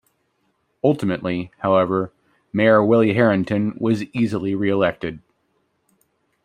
Ultimately, however, Mayor Willie Herenton was easily reelected.